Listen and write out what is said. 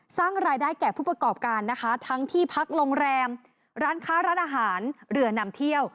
สร้างรายได้แก่ผู้ประกอบการนะคะทั้งที่พักโรงแรมร้านค้าร้านอาหารเรือนำเที่ยว